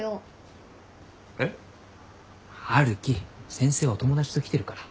先生はお友達と来てるから。